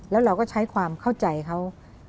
แล้วเราก็ใช้ความเข้าใจเขา